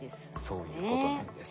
そういうことなんです。